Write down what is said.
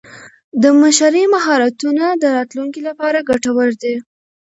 د مشرۍ مهارتونه د راتلونکي لپاره ګټور دي.